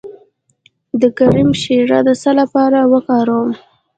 د کرم شیره د څه لپاره وکاروم؟